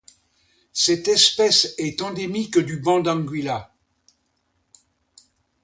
Cette espèce est endémique du banc d'Anguilla.